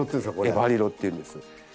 エヴァリロっていうんです。